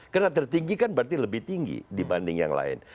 karena tertinggi kan berarti lebih tinggi dibanding yang lain